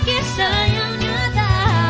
kulukis sebuah kisah yang nyata